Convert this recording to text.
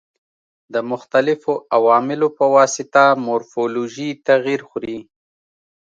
د مختلفو عواملو په واسطه مورفولوژي تغیر خوري.